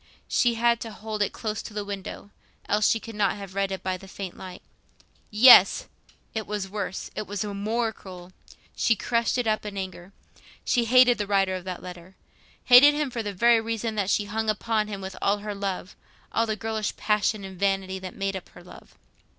She had to hold it close to the window, else she could not have read it by the faint light. Yes! It was worse—it was more cruel. She crushed it up again in anger. She hated the writer of that letter—hated him for the very reason that she hung upon him with all her love—all the girlish passion and vanity that made up her love.